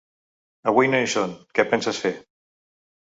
Avui no hi són, què penses fer?